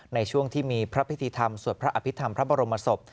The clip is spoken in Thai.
ในช่วงที่มีพระพิธีธรรมสวดพระอภิษฐรรมพระบรมศพ